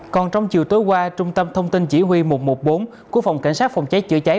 còn trong chiều tối qua trung tâm thông tin chỉ huy một trăm một mươi bốn của phòng cảnh sát phòng cháy chữa cháy